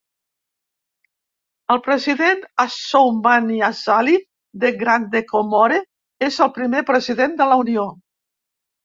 El president Assoumani Azali de Grande Comore és el primer president de la Unió.